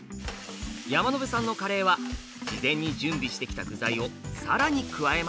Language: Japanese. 山野辺さんのカレーは事前に準備してきた具材を更に加えます。